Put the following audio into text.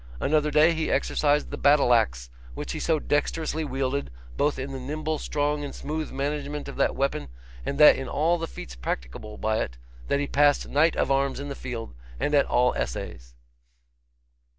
Another day he exercised the battle axe, which he so dexterously wielded, both in the nimble, strong, and smooth management of that weapon, and that in all the feats practicable by it, that he passed knight of arms in the field, and at all essays.